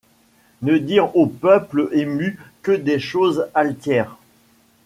Ne dire au peuple ému que des choses altières.